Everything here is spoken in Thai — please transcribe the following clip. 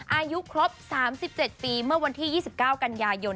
อายุครบ๓๗ปีเมื่อวันที่๒๙กันยายน